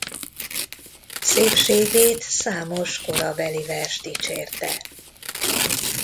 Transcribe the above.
Szépségét számos korabeli vers dicsérte.